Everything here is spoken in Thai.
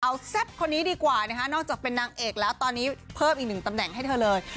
เอาแซ่บคนนี้ดีกว่านะคะนอกจากเป็นนางเอกแล้วตอนนี้เพิ่มอีกหนึ่งตำแหน่งให้เธอเลย